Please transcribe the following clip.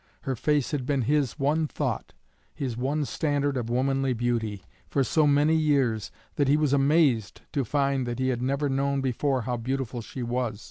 Her face had been his one thought, his one standard of womanly beauty, for so many years that he was amazed to find that he had never known before how beautiful she was.